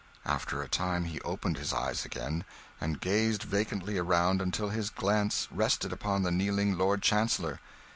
After a time he opened his eyes again, and gazed vacantly around until his glance rested upon the kneeling Lord Chancellor.